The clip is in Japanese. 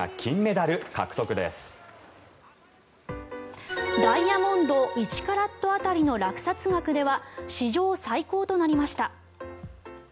ダイヤモンド１カラット当たりの落札額では史上最高となりました。